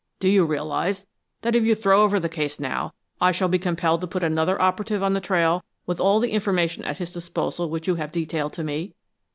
Do you realize that if you throw over the case now, I shall be compelled to put another operative on the trail, with all the information at his disposal which you have detailed to me?